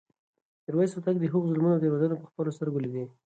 میرویس هوتک د هغه ظلمونه او تېروتنې په خپلو سترګو لیدې.